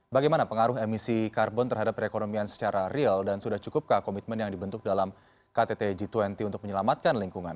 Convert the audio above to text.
bagaimana pengaruh emisi karbon terhadap perekonomian secara real dan sudah cukupkah komitmen yang dibentuk dalam ktt g dua puluh untuk menyelamatkan lingkungan